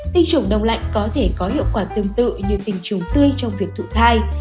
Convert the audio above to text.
tinh trùng đông lạnh có thể có hiệu quả tương tự như tình trùng tươi trong việc thụ thai